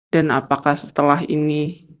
dan apakah setelah ini